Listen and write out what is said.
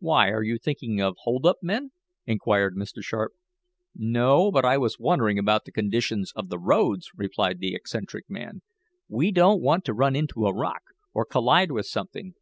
"Why, are you thinking of hold up men?" inquired Mr. Sharp. "No, but I was wondering about the condition of the roads," replied the eccentric man. "We don't want to run into a rock, or collide with something."